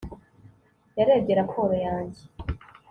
yarebye raporo yanjye